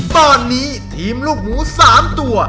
ตอนนี้ทีมลูกหมู๓ตัว